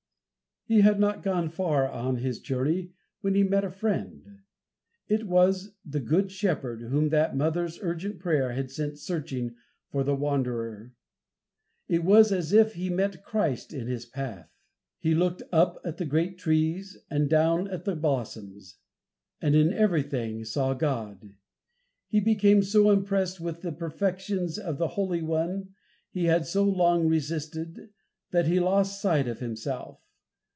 He had not gone far on his journey when he met a Friend. It was the Good Shepherd, whom that mother's urgent prayer had sent searching for the wanderer. It was as if he had met Christ in his path. He looked up at the great trees and down at the blossoms, and in everything saw God. He became so impressed with the perfections of the Holy One he had so long resisted, that he lost sight of himself.